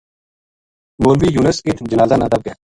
مولوی یونس اِت جنازہ نا دَب کے